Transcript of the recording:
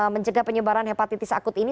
mencegah penyebaran hepatitis akut ini